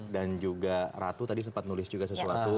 dan juga ratu tadi sempat nulis juga sesuatu